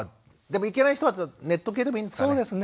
でも行けない人はネット系でもいいんですかね？